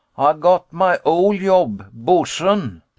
Ay gat my ole yob bo'sun.